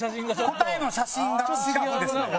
答えの写真が違うんですね。